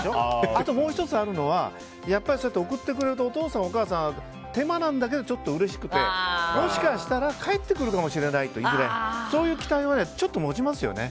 あともう１つあるのは送ってくれるとお父さんお母さん手間だけどちょっとうれしくてもしかしたら、いずれ帰ってくるかもしれないというそういう期待はちょっと持ちますよね。